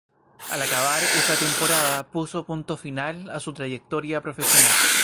Al acabar esa temporada, puso punto final a su trayectoria profesional.